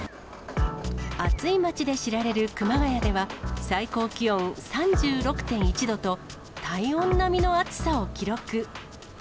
暑いまちで知られる熊谷では、最高気温３６．１度と、体温並みの暑さを記録。